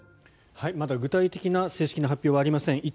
まだ具体的な正式な発表はありません。